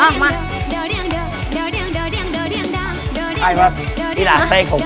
บอกแม่งมาว่าจะบ่ได้ใจนั้ง